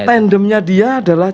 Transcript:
tandemnya dia adalah